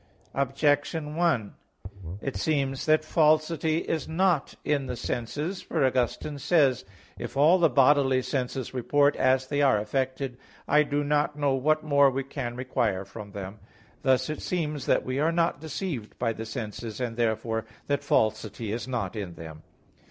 Objection 1: It seems that falsity is not in the senses. For Augustine says (De Vera Relig. 33): "If all the bodily senses report as they are affected, I do not know what more we can require from them." Thus it seems that we are not deceived by the senses; and therefore that falsity is not in them.